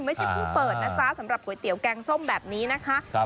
ไม่ใช่ผู้เปิดนะจ๊ะสำหรับก๋วยเตี๋แกงส้มแบบนี้นะคะ